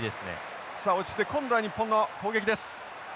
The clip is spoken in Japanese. さあ今度は日本の攻撃です。